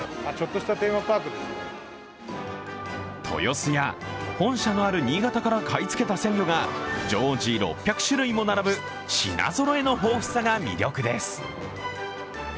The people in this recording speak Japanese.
豊洲や本社にある新潟から買いつけた鮮魚が常時６００種類も並ぶ品ぞろえの豊富さが魅力です。